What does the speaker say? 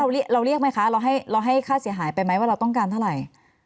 เราเรียกไหมคะเราให้ค่าเสียหายไปไหมว่าเราต้องการเท่าไหร่